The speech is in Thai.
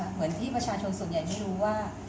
เหมือนที่ประชาชนส่วนใหญ่ไม่รู้ว่า